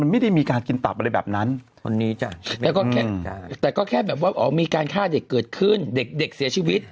มันไม่ได้มีการกินตับอะไรแบบนั้นแต่ก็แค่มีการฆ่าเด็กเกิดขึ้นเด็กเสียชีวิต